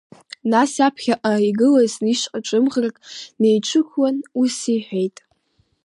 Нас иаԥхьа игылаз ишҟа цәымӷрак неиҿықәлан, ус иҳәеит…